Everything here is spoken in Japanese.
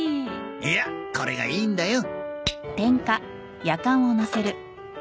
いやこれがいいんだよ。